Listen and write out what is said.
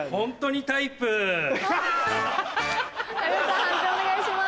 判定お願いします。